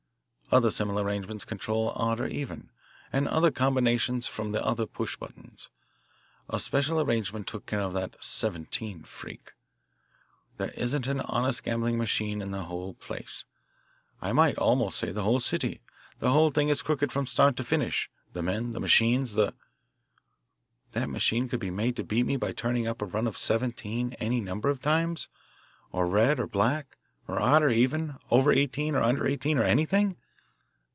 Other similar arrangements control the odd or even, and other combinations from other push buttons. A special arrangement took care of that '17' freak. There isn't an honest gambling machine in the whole place I might almost say the whole city. The whole thing is crooked from start to finish the men, the machines, the " "That machine could be made to beat me by turning up a run of '17' any number of times, or red or black, or odd or even, over '18' or under '18,' or anything?"